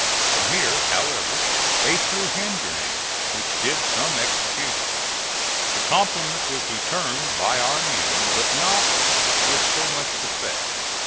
From here, however, they threw hand grenades, which did some execution. The compliment was returned by our men, but not with so much effect.